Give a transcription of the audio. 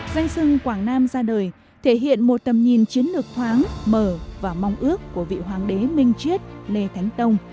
danh sưng quảng nam ra đời thể hiện một tầm nhìn chiến lược thoáng mở và mong ước của vị hoàng đế minh chiết lê thánh tông